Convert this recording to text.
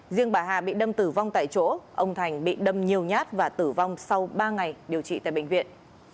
riêng bà hà bị đâm tử vong tại chỗ ông thành bị đâm nhiều nhát và tử vong sau ba ngày điều trị tại bệnh viện